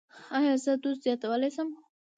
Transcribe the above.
ایا زه دوز زیاتولی شم؟